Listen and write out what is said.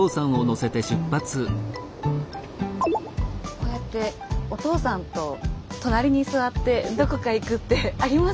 こうやってお父さんと隣に座ってどこかへ行くってあります？